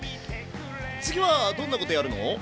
次はどんなことやるの？